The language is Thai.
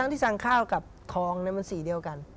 ที่สั่งข้าวกับทองมันสีเดียวกัน